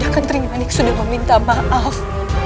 kentrimanik sudah meminta maaf